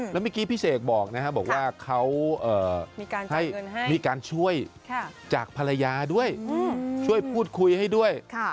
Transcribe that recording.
แล้วเมื่อกี้พี่เสกบอกนะครับบอกว่าเขามีการช่วยจากภรรยาด้วยช่วยพูดคุยให้ด้วย